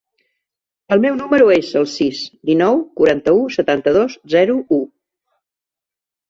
El meu número es el sis, dinou, quaranta-u, setanta-dos, zero, u.